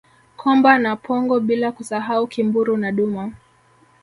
Komba na pongo bila kusahau Kimburu na Duma